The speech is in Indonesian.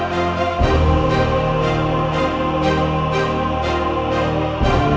dan soal kenapa gue buang anaknya